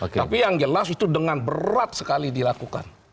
tapi yang jelas itu dengan berat sekali dilakukan